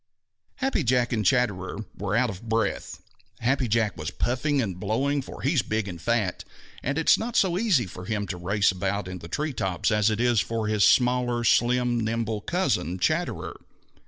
_ Happy Jack and Chatterer were out of breath. Happy Jack was puffing and blowing, for he is big and fat, and it is not so easy for him to race about in the tree tops as it is for his smaller, slim, nimble cousin, Chatterer.